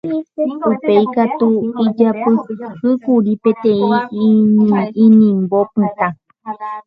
Upéi katu ijapyhýkuri peteĩ inimbo pytã.